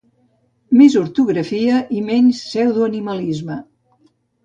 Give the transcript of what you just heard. Més ortografia i menys pseudoanimalisme